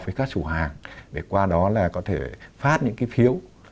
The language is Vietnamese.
với các chủ hàng để qua đó có thể phát những phiếu